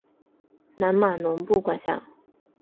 南马农布管辖。